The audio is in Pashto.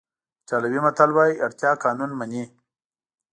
ایټالوي متل وایي اړتیا قانون نه مني.